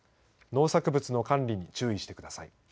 農作物の管理に注意してください。